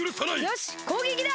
よしこうげきだ！